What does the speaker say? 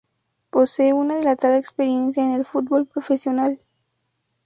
Posee una dilatada experiencia en el fútbol profesional.